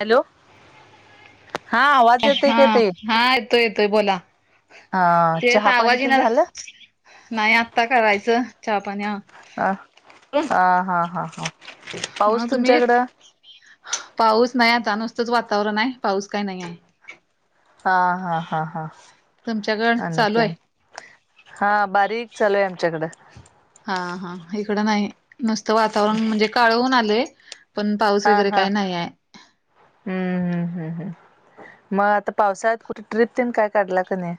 Hello हा आवाज येतंय हा काय ताई? हा येतोय येतोय बोला. हा तेच चहा पाणी आवाज ते येईना झालं? झाला नाही आत्ता करायचं चहा पाणी अ ह हा हा हा. पाऊस मग तुम्ही तुमच्याकडं पाऊस नाही आता नुसतंच वातावरण आहे पाऊस काही नाही आहे. हा हा हा हा तुमच्याकड आणि चालू आहे काय? हा बारीक चालू आहे आमच्याकडं. हा हा इकडं नाही नुसतं वातावरण म्हणजे काळ होउन आलंय. पण पाऊस हा वगैरे हा काही नाही आहे‌. हम्म हम्म हम्म हम्. मग आता पावसाळ्यात कुठे ट्रीप तेन काय काढला का नाही?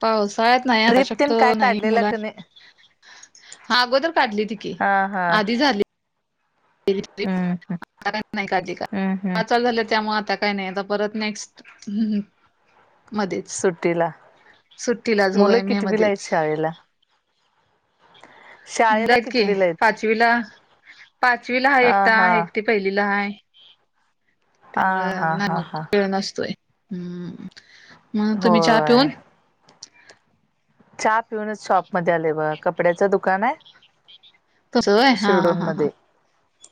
पावसाळ्यात नाही आता ट्रिप तेन शक्यतो काय नाही काढलेला मुला का नाही ा अगोदर काढली ती हा हा आधी झाली. [unintelligible] हम्म हम्म काय नाही हम्म हम्म आता परत नेक्स्ट मध्येच सुट्टीला सुट्टीलाच मुलं मे कितवीला आहेत मध्येच. शाळेला शाळेला आहेत की कितवीला आहेत पाचवीला पाचवीला हा एकट एकटी. पहिलीला आहे हा हा त्यामुळं नाही हा मग हा वेळ नसतोय ह्. मग तुम्ही च्या होय पिऊन. चहा पिऊनच शॉप मध्ये आलोय बगा कपड्याचं दुकान तसं होय हा शिरढोण हा हा मध्ये.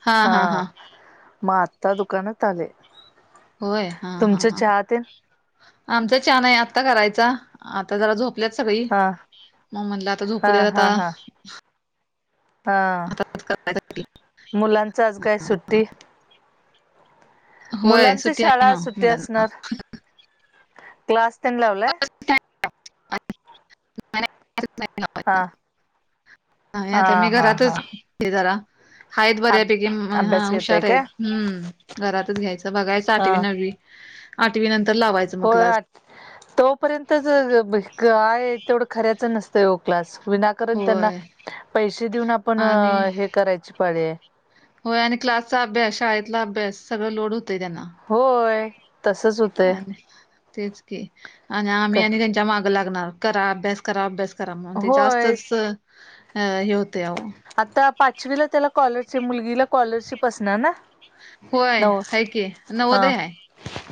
हा ह हा हा मग आत्ता दुकानात आले. होय हा हा तुमचं ह चहा तेन आमच छान आहे आत्ता करायचा आता जरा झोप झोपल्यात सगळी हा मग म्हणलं आता हा झोपू्यात आता हा हा हा आता करायसाठी मुलांच आज काय सुट्टी? होय मुलांची सुट्टी आहे शाळा ना सुट्टी मुलांना असणार क्लास तेन लावलाय? हा नाही आता हा मी हा हा घरातच जरा हायत अभ बऱ्यापैकी हा अभ्यास घेताय हुशार आहेत काय हम्म घरातच घ्यायचं बघायच हा आठवी नववी आठवी नंतर लावायच. होय तोपर्यंतच आहे काय तेवढं खऱ्याच नसतं हो क्लास. विनाकारण त्यांना होय पैसे देऊन आपण आणि हे करायची पाळी हाय. होय आणि क्लासचा अभ्यास शाळेतला अभ्यास सगळ लोड होतंय त्यांना. होय तसच होत‌. आणि तेच की आणि का आम्ही आणि त्यांच्या माग लागणार करा अभ्यास करा अभ्यास करा म्हण होय जास्तच अ हे होते अहो. आता पाचवीला त्याला कॉलरशिप मुलगीला स्कॉलरशिप असणार ना. होय नव हाय कि हा नवोदय हाय.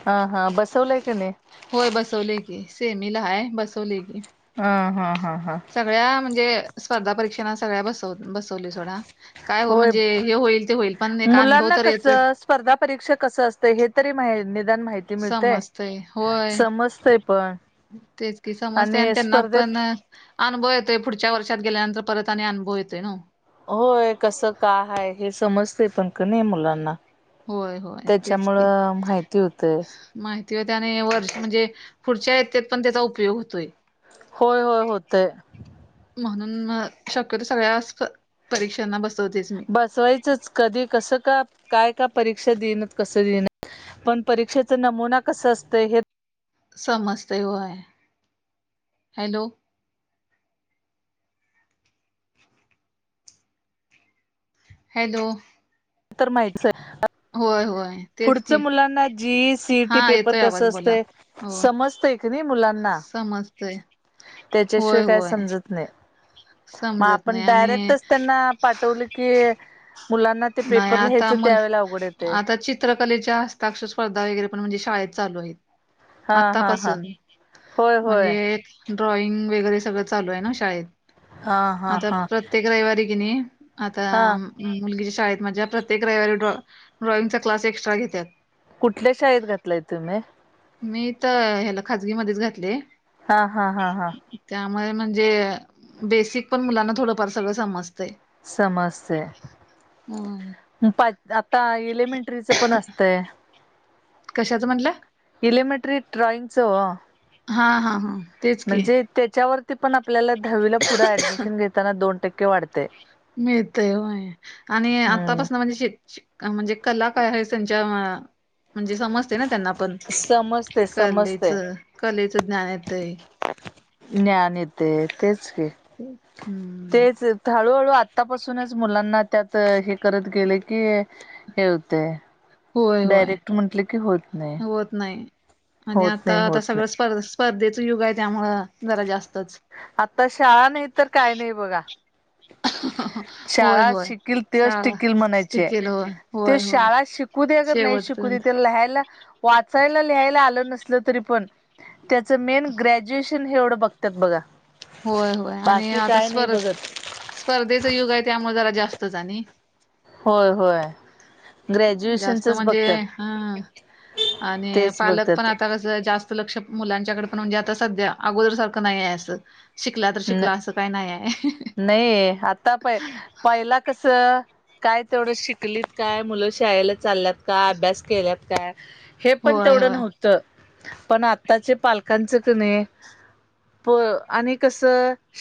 हा हा बसवलंय का नाही? होय बसवले की सेमी ला हाय बसवले की. ह हा हा हा. सगळ्या म्हणजे स्पर्धा परीक्षांना सगळ्या बसव बसवलय सोडा. काय हो होय म्हणजे हे होईल ते होईल पण एक अनुभव मुलांना तर येतोय कसं स्पर्धा परीक्षा कस अस हे तरी माहि निदान माहिती मिळतेय समजतय होय समजतय पण. तेच कि समजते आणि त्यांना पण अनुभव येतोय पुढच्या वर्षात गेल्यानंतर परत आणि अनुभव येतोय नवं होय कसं का आहे हे समजते पण क नाही मुलांना. होय होय तेच की. त्याच्यामुळं माहिती होते माहिती होतिया आणि वर्ष म्हणजे पुढच्या य होय होय होतंय. म्हणून म शक्यतो सगळ्या परीक्षांना बसवतेच मी. बसवायचंच कधी कसं का? पण परीक्षेचा नमुना कस असतं हे समजते होय हॅलो हॅलो तर माहचय होय होय तेच पुढच की मुलांना जीई हा सीईटी पेपर येतोय आवाज कसं असत बोला हो समजतय नाही मुलांना समजतय त्याच्याशिवाय होय काय होय समजत नाही मग समजत नाही आपण आणि डायरेक्टच त्यांना पाठवलं की मुलांना ते नाही पेपर आता लिहायचं मल त्यावेेळे अवघडेत आहे आता चित्रकलेच्या हस्ताक्षर स्पर्धागैरेणजे शाळेत लू आहेत हा हा हा आतापासून होय होय म्हणजे ड्रॉइंग वगैरे सगळं चालू आहे ना शाळेत हा हा आता हा प्रत्येक रविवारी की नाही आता हा मुलगीच्या शाळेत माझ्या प्रत्येक रविारी ड्रॉ ड्रॉइंगचा क्लास एक्स्ट्रा घेत्यात. कुठल्या शाळेत घातलाय तुम्ही? मी तर हला खाजगी मध्येच घातले हा हा हा हा त्यामुळे म्हणजे बेसिक पण मुलांना थोडंफार सगळं समजतंय समजते होय पा आता एलिमेंट्रीचं पण असतंय कशाचं म्हटलं एलिमेट्ररी ड्रािंगसो वा हा हा हा तेच की म्हणजे त्याच्यावरती पण आपल्याला दहावीला पुढं ऍडमिशन घेताना दोन टक्के वाढतेय मिळतयय आणि हम्म आतापासन म्हणजे श म्हणजे कला काय आहे संच्या म्हणजे समजते ना त्यांना पण समजते समजते कलेचं कलेचं ज्ञान येत आहे ज्ञान येते तेच की हम्म तेच हळूहळू आत्तापासूनच मुलांना त्यात हे करत गेले की हते होय होय नाही होत नाही म्ह होत आता नाही आता होत सगळं नाही स्पर्ध स्पर्धेच युग आहे त्यामुळ जरा जास्तच आता शाळा नाही तर काय नाही बघा होय शाळा होय शिकल तेच शाळा टिकल म्हणायचे टिकेल होय ते होय होय शाळा शिक कुदे अगर नाही शिकू दे शेवटपर्यंत ते लहायला वाचायला लिहायला आलं नसल तरी पण त्याचं मेन ग्रॅज्युएशन हे एवढं बघत तेपघ होय होय आणि आता स्पर्ध बघत स्पर्धेच युग आहे त्यामुळे जरा जास्तच आणि होय होय जास्त ग्रॅज्युएशनचच म्हणजे बघतात ह आणि तेच पालक पण बघतात आता कस जास्त लक्ष मुलांच्याकडे पण म्हणजे आता सध्या अगोदर सारखं नाही आहे असं शिकला तर न शिकला असं काही नाही आहे नाही आता प पहिला कस काय तेवढं शिकलीत काय मुलं शाळेला चालल्यात का अभ्यास केल्यात काय हे पण होय तेवढं होय नव्हतं पण आत्ताचे पालकांच कणी प आणि कस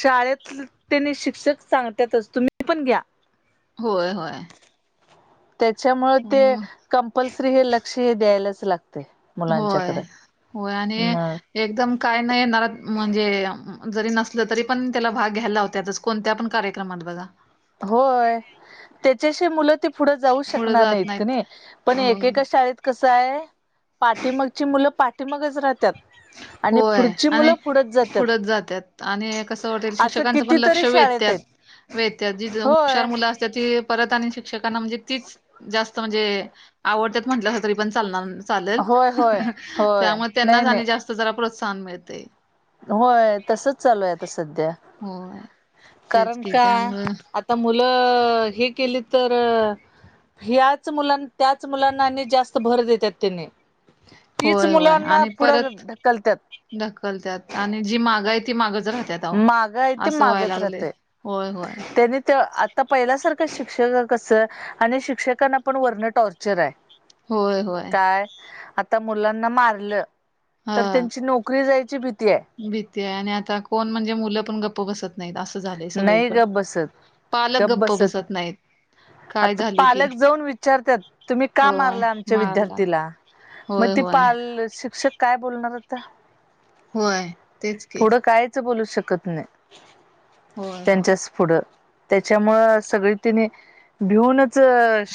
शाळेत त्यांनी शिक्षक सांगतातच तुम्ही पण घ्या होय होय त्याच्यामुळे ते हं, कंपल्सरी हे लक्ष हे द्यायलाच लागते होय मुलांच्याकडे होय आणि मग एकदम काय नाही येणार म्हणजे जरी नसलं तरी पण त्याला भाग घ्यायला होताता कोणत्या पण कार्यक्रमात बघा होय त्याच्याशी मुलं ती पुढं जाऊ पुढं शकणार जात नाहीत का नाही पण अं, एकेका शाळेत कस आहेय पाठीमागची मुलं पाठीमागच राहतात आणि होय पुढची आणि मुलं पुढच जातात पुढत जातात आणि कसं वाटेल असं शिक्षकांचं पण लक्ष कितीतरी शाळेत आहेत वेधतत वेत्या जी हुशार होय मुलं असतात ती परत आणि शिक्षकांना म्हणजे तीच जास्त म्हणजे आवडतात म्हंटलं असं तरी पण चालणार चालेल होय होय होय त्यामुळे त्यांना नाही नाही जास्त जरा प्रोत्साहन मिळते होय तसच चालू आहे आता सध्या होय तेच कारण की का त्यामुळं आता मुलं हे केली तर ह्याच मुलां त्याच मुलांना आणि जास्त भर देतात त्यांनी तीच मुलांना पुढं ढकलतात ढकलतत आणि जी मागं आहे ती मागच राहत माग आहे ते मागच राहतय होय होय त्याने ते तर पहिल्यासारखं शिक्षक कसं आणि शिक्षकांना पण वरण टॉर्चर आहे होय होय काय आता मुलांना मारलं तर हा. त्यांची नोकरी क्री जायची भीती आहे भीती आहे आणि आता कोण म्हणजे मुलं पण गप् ग्प बसत नाहीत असं झालंय नाही सगळीकडे गप बसत पालक गप गप्प बसत नाहीत काय आता झालं की पालक जाऊन विचारतात तुम्ही का होय मारला आमच्या मारला विद्यार्थीला मग होय ते होय पाल शिक्षक काय बोलणार आता होय तेच के पुढं कायच बोलू शकत नाही होय होय त्यांच्याच पुढं त्याच्यामुळं सगळी त्यांने भिऊनच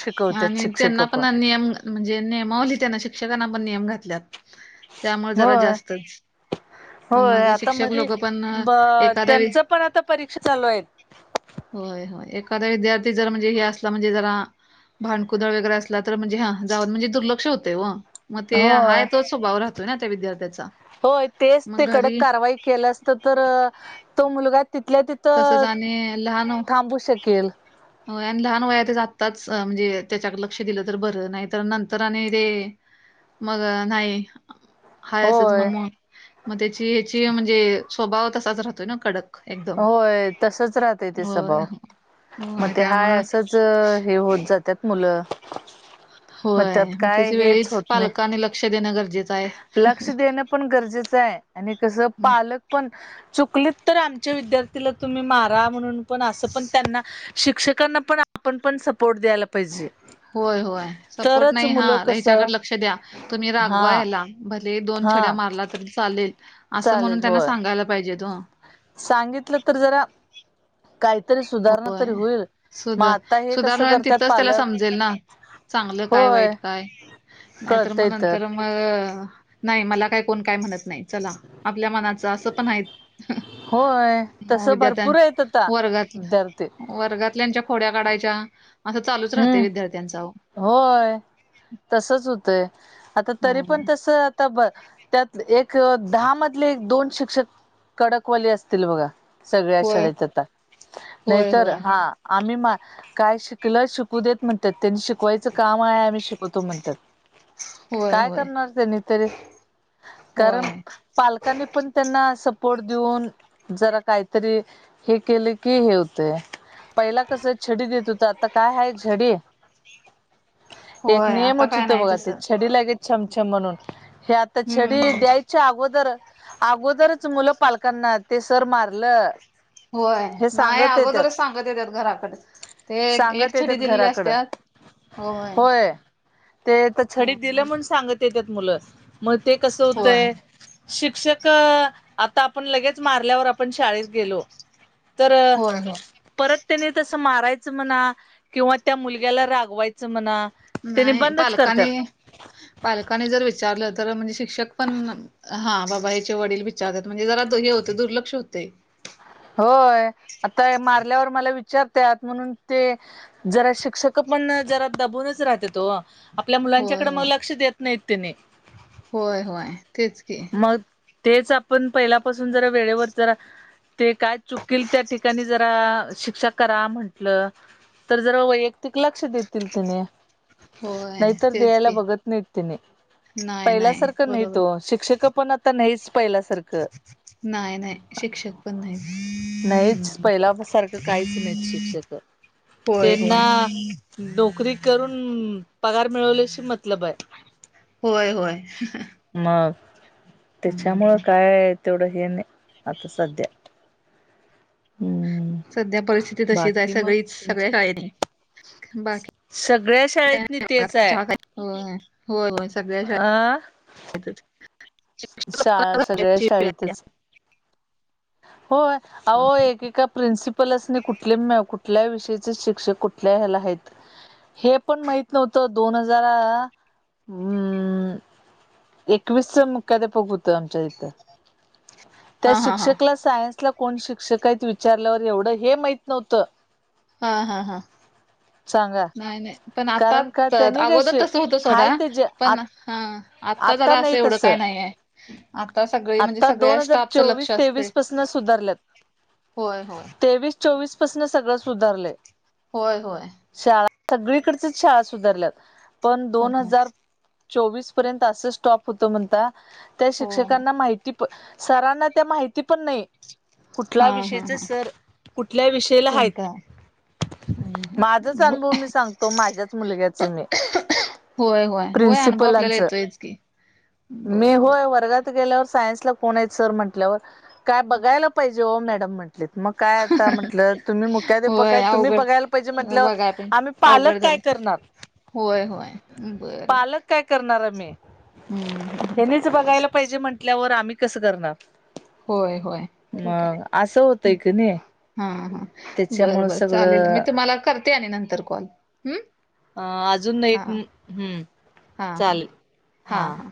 शिकवत आणि शिक शिक त्यांना पण नियम म्हणजे नियमावली त्याना शिक्षकांना पण नियम घातल्यात त्यामुळे जरा होय जास्तच होय मग आता शिक्षक मध्ये लोक पण एखादा वि त्यांच पण आता परीक्षा चालू आहेत होय होय एखाद्या विद्यार्थी जर म्हणजे हे असला म्हणजे जरा भडकुदळ वगैरे असला तर म्हणजे हा जाऊन म्हणजे दुर्लक्ष होते व मग ते होय हाय तोच स्वभाव राहतोय ना त्या विद्यार्थ्याचा होय तेच मग ते कडक घरी कारवाई केलं असत तर तो मुलगा तिथल्या त तसच आणि लहान शकेल हो आणि लहान वया ते जातच म्हणजे त्याच्याक लक्ष दिलं तर बरं नाही तर नंतर आणि ते मग नाही. हाय असच मग होय मग मग त्याची ह्याची म्हणजे स्वभाव तसाच राहतोय ना कडक. एकदम. होय तसच राहतं ते होय, स्वभाव मग होय ते हाय त्यामुळं असंच. हे होत जातात मुलं. होय त्यात मग काय त्याची हेच वेळीच होत नाही पालकांनी लक्ष देणं गरजेचं आहे. लक्ष देणं पण गरजेच आहे आणि कस पालक पण चुक तर आ. विद्यार्थीला तुम्ही मारा म्हणून पण असं पण त्यांना. शिक्षकांना पण आपण पण सपोर्ट द्यायला. पाहिजे होय होय सपोर्ट तरच नाही हा मुलं कसं हच्याकडे लक्ष द्या. तुम्ही रागवा हा या्याला भले दोन छड्या हा मारलात. चालेल असं म्हणून चालेल त्यांना होय सांगायला पाहिजे हो. सांगितलं तर जरा. काहीतरी सुधारणा होय तरी होईल मग सुधा आता हे सुधार कसं म्ह करतात तिथंच त्याला पालक समजेल ना. चांगलं काय होय वाईट काय नाहीतर कळतय मग तर नंतर. मग नाही मला काही कोण काय म्हणत नाही चला. आपल्या मनाच असं पण आहेत होय विद्यार्थ्यां वर्गात. ते. वर्गातल्याच्या खोड्या काढायच्या असं चालूच राहते हम्म विद्यार्थ्यांचा. होय तसच होतंय आता तरी पण तस आता ब त्यात. एक दहा मधले एक दोन शिक्षक कडकवाली असतील बघा. सगळ्या होय शाळेत यात होय नाहीतर होय हा आम्ही मा काय शिक. तला शिकू देत म्हणतात त्यांनी शिकवायचं काम आहे आम्ही शिकवतो म्हणतात. होय होय काय होय करणार त्यांनी तरी होय कारण पालक. पण त्यांना सपोर्ट देऊन जरा काहीतरी. हे केले की हे होते पहिला कस छडी देत होत. झडी एक होय आता नेमच काय होत नाही बघा त्या. तसं छडी लाग मछम म्हणून हे आता हम्म छडी हम्म द्यायच्या अगोदर अगोर. तररच मुलं पालकांना ते सर मारलं. होय हे नाही सांगत येतात अगोदरच सांगत येतत घराकडे. ते सांगत एक छडी येतात दिलेली असत घराकडं होय. ते तर छडीत होय दिलं म्हण सांगत येतत मुलं मग ते कसं होय होतय. शिक्षक आता आपण लगेच मारल्यावर आपण शाळेत गेलो. तर होय परत त्यानी तस मारायचं. म्हणा किंवा त्या मुलग्याला रागवायचं म्हणा. त्यानी नाही बंदच करतात पालकानी पालकानी जर विचारलं तर म्हणजे शिक्षक पण. हा बाबा ह्याचे वडील विचारतात म्हणजे जरा हे होते दुर्लक्ष होते. होय आता मारल्यावर मला विचारतत म्हणून ते. जरा शिक्षक पण जरा दबूनच राहत तो. आपल्या होय मुलांच्याकडे मग होय लक्ष देत नाहीत त्याने. होय होय तेच घ. मग तेच आपण पहिल्यापासून जरा वेळेवर जरा ते काय चुकल त्या ठिकाणी ज. शिक्षा करा म्हंटलं तर जर वैयक्तिक लक्ष देतील तिने. होय नाहीतर तेच दयला की बघत नाहीत तिने नाही पहिल्यासारखं नाही बरोबर तो शिक्षक. पण आता नाहीच पहिल्यासारखं. नाही नाही शिक्षक. ब नाही. नाहीच पहिला सारखं काहीच नाहीत शिक्षक होय त्यांना. होय नोकरी करून पगार मिळवल्याची मत. होय होय. मग त्याच्यामुळ काय तेवढं हे नाही आता सध्या. हम्म. सध्या परिस्थिती तशीचाय. बाकी मग सगळी सगळ्या तुमच्या शाळेनी सगळ्या शाळेतनी तेचाय. [unintelligible] होय व्हय व्हय. अ? शाळा सगळ्या [unintelligible] शाळेतच होय. होय. अहो एकेका प्रिन्सिपलासणी कुठले कुठल्या विषयीच शिक्षक, कुठल्या हेला हाइत हे पण माहीत नव्हतं, दोन हजार अ एकवीसच मुख्याधेपक होत आमच्या इथ. त्या हा हा हा शिक्षक सायन्स ला कोण शिक्षक आहेत विचारल्यावर एवढं हे माहित नव्हतं. हा हा हा. सांगा नाही नाही. पण आता, कारण का त्यांनी काय अगोदर शि तसं होतं सोडा. हाय ते जे आ पण हा आता जरा नाही असं एवढं तसं काय नाहीय. आता सगळी म्हणजे आता दोन सगळ्या हजार स्टाफच चोवीस लक्ष असतय, तेवीस पासन सुधारल्यात होय होय. तेवीस चोवीस पासन सगळं सुधारलय. होय होय शाळा सगळीकडचीच शाळा सुधारल्यात. पण हो दोन ना. हजार चोवीस पर्यंत असं स्टॉप होत म्हणता त्या हो हो शिक्षकांना माहिती पण, सरांना त्या माहिती पण नई कुठल्या हा हा विषयीचे हा सर, कुठल्या विषयला हायत. कोणता होय होय माझच ब- अनुभव मी सांगतो माझ्याच मुलग्याच मी. व्हय व्हय, व्हय अनुभव आपल्याला प्रिन्सिपलांच येतोयच की. मी बर बर. होय वर्गात गेल्यावर सायन्सला कोण हाय सर म्हंटल्यावर, काय बघायला पाहिजे ओ मॅडम म्हण म्हंटलीत. मग काय आता म्हटलं तुम्ही होय मुख्याधपकाय, तुम्ही अवघड बघायला पाहिजे म्हटलंव बघाय पण आम्ही पालक अवघड झालं काय करणार. होय होय बर. पालक काय करणार आम्ही. [unintelligible] तुम्हीच बघायला पाहिजे म्हटल्यावर, आम्ही कसं करणार. होय होय ठीक आहे मग असं होतय की नई. हा हा बरं बर चालेल. मी तुम्हाला करते आणि नंतर कॉल हम्म? अ अजून हा एक हा हम्म, हा चालेल हा हां. हा